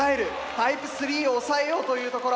タイプ３を抑えようというところ。